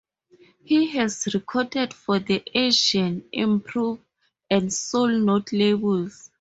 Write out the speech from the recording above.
He has recorded for the Asian Improv and Soul Note labels.